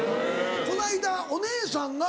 この間お姉さんなぁ？